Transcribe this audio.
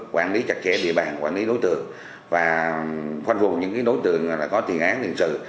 quản lý chặt chẽ địa bàn quản lý đối tượng và phân phục những đối tượng có thiền án thiền sự